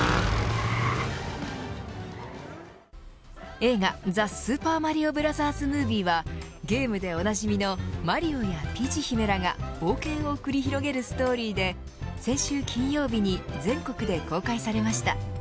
映画ザ・スーパーマリオブラザーズ・ムービーはゲームでおなじみのマリオやピーチ姫らが冒険を繰り広げるストーリーで先週金曜日に全国で公開されました。